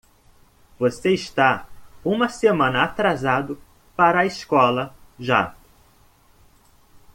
Você está uma semana atrasado para a escola já.